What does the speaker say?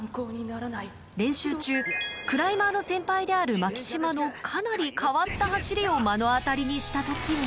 練習中クライマーの先輩である巻島のかなり変わった走りを目の当たりにした時も。